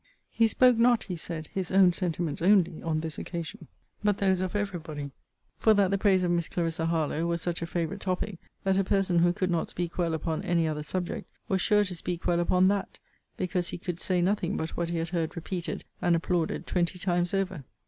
'He spoke not, he said, his own sentiments only on this occasion, but those of every body: for that the praises of Miss Clarissa Harlowe were such a favourite topic, that a person who could not speak well upon any other subject, was sure to speak well upon that; because he could say nothing but what he had heard repeated and applauded twenty times over.'